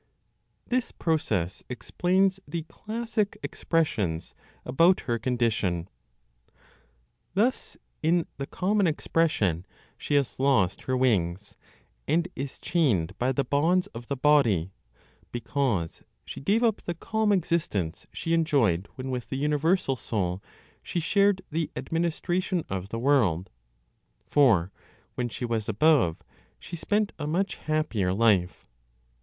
THIS PROCESS EXPLAINS THE CLASSIC EXPRESSIONS ABOUT HER CONDITION. Thus, in the common expression, she has lost her wings, and is chained by the bonds of the body, because she gave up the calm existence she enjoyed when with the universal Soul she shared the administration of the world; for when she was above she spent a much happier life.